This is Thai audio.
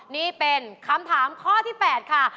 นี่เป็นคำถามข้อที่๘ค่ะ